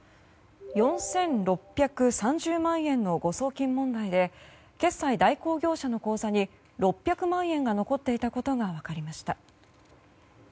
４６３０万円の誤送金問題で決済代行業者の口座に６００万円が残っていたことが分かりました。